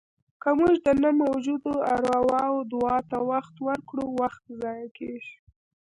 که موږ د نه موجودو ارواوو دعاوو ته وخت ورکړو، وخت ضایع کېږي.